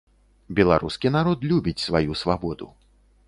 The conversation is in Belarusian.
Беларускі народ любіць сваю свабоду.